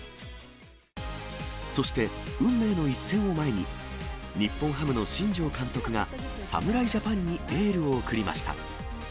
そして、運命の一戦を前に、日本ハムの新庄監督が、侍ジャパンにエールを送りました。